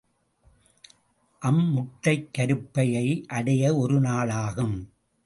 அம் முட்டை கருப்பையை அடைய ஒரு நாளாகும்.